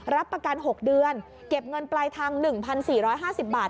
รับประกัน๖เดือนเก็บเงินปลายทาง๑๔๕๐บาท